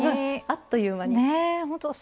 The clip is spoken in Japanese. あっという間に。